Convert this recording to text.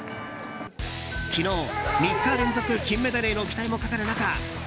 昨日、３日連続金メダルへの期待もかかる中